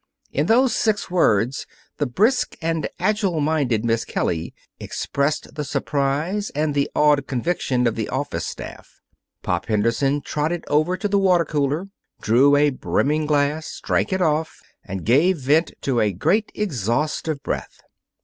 In those six words the brisk and agile minded Miss Kelly expressed the surprise and the awed conviction of the office staff. Pop Henderson trotted over to the water cooler, drew a brimming glass, drank it off, and gave vent to a great exhaust of breath.